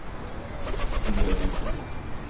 Qu’y avait-il ?